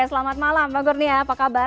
selamat malam pak kurnia apa kabar